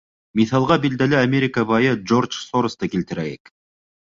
Миҫалға билдәле Америка байы Джордж Соросты килтерәйек.